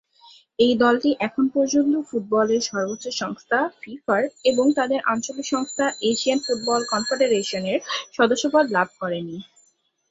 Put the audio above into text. এই দলটি এখন পর্যন্ত ফুটবলের সর্বোচ্চ সংস্থা ফিফার এবং তাদের আঞ্চলিক সংস্থা এশিয়ান ফুটবল কনফেডারেশনের সদস্যপদ লাভ করেনি।